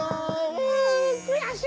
うくやしい。